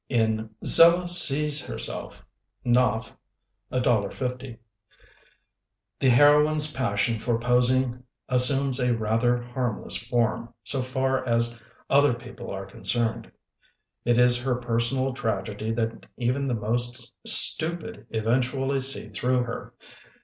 In Zella Sees Herself (Knopf; $1.50), the heroine's passion for posing assumes a rather harm less form, so far as other people are concerned. It is her personal tragedy that even the most stupid eventually see through her.